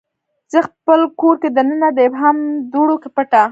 زه پخپل کور کې دننه د ابهام دوړو کې پټه